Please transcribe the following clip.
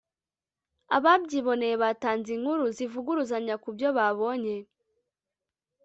ababyiboneye batanze inkuru zivuguruzanya kubyo babonye